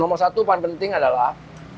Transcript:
nomor satu paling penting adalah